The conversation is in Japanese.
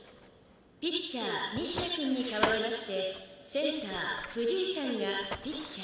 ピッチャー仁科くんに代わりましてセンター藤井さんがピッチャー。